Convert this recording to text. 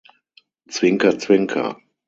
Zwinker, zwinker!